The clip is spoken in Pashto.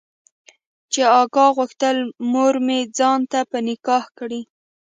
چې اکا غوښتل مورمې ځان ته په نکاح کړي.